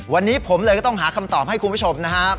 วันนี้ผมเลยก็ต้องหาคำตอบให้คุณผู้ชมนะครับ